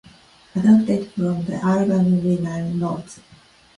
Adapted from "The Album" liner notes.